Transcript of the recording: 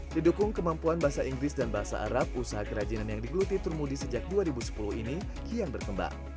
didukung kemampuan bahasa inggris dan bahasa arab usaha kerajinan yang digeluti turmudi sejak dua ribu sepuluh ini kian berkembang